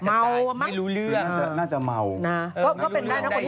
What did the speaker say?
จริงว่ามั้งถูกยากคิดว่ามั้งจะฮงอย่างเซ็ดน้อยไม่รู้เรื่อง